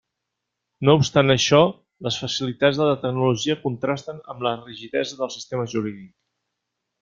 No obstant això, les facilitats de la tecnologia contrasten amb la rigidesa del sistema jurídic.